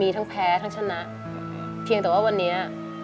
แต่พี่